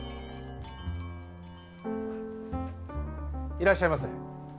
いらっしゃいませ。